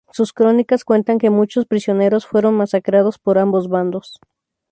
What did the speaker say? Sus crónicas cuentan que muchos prisioneros fueron masacrados por ambos bandos.